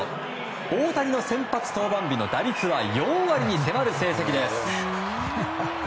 大谷の先発登板日の打率は４割に迫る成績です。